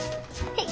はい。